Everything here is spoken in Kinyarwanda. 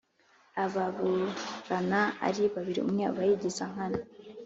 Ababurana ari babiri umwe aba yigiza nkana.